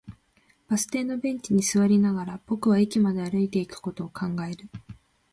バス停のベンチに座りながら、僕は駅まで歩いていくことを考える